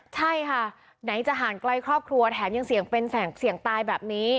ใช่ค่ะไหนจะห่างไกลครอบครัวแถมยังเสี่ยงเป็นเสี่ยงตายแบบนี้